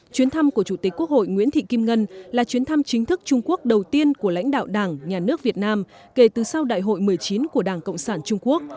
chuyến thăm của chủ tịch quốc hội nguyễn thị kim ngân là chuyến thăm chính thức trung quốc đầu tiên của lãnh đạo đảng nhà nước việt nam kể từ sau đại hội một mươi chín của đảng cộng sản trung quốc